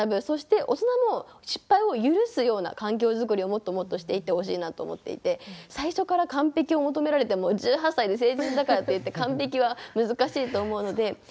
そして大人も失敗を許すような環境作りをもっともっとしていってほしいなと思っていて最初から完璧を求められても１８歳で成人だからといって完璧は難しいと思うので。